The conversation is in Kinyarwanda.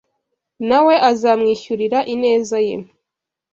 na we azamwishyurira ineza ye